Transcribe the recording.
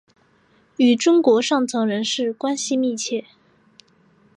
与中国上层人士关系密切。